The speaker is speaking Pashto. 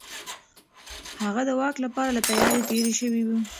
هغه د واک لپاره له تيارۍ تېر شوی و.